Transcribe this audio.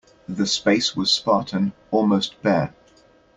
The space was spartan, almost bare.